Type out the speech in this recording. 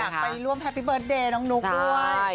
ไปร่วมแฮปปี้เบิร์ตเดย์น้องนุ๊กด้วย